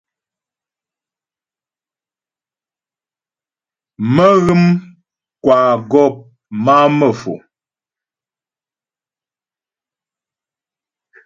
Mə́́ghə̌m kwa mə́gɔ̌p má'a Mefo.